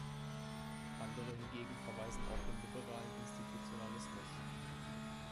Andere hingegen verweisen auf den liberalen Institutionalismus.